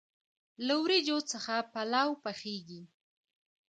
له وریجو څخه پلو پخیږي.